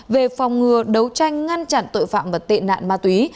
về phòng ngừa đấu tranh ngăn chặn tội phạm và tệ nạn ma túy